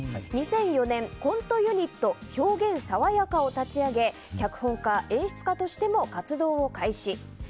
２００４年、コントユニット表現・さわやかを立ち上げ脚本家、演出家としても活動を開始。